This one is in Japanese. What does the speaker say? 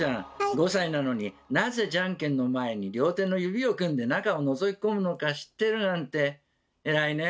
５歳なのになぜじゃんけんの前に両手の指を組んで中をのぞき込むのか知ってるなんて偉いねえ。